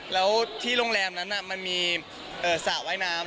แล้วที่โรงแรมนั้นมันมีสระว่ายน้ำ